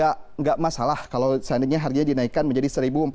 tidak masalah kalau seandainya harganya dinaikkan menjadi seribu empat ratus enam puluh tujuh